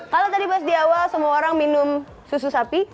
kalau tadi pas di awal semua orang minum susu sapi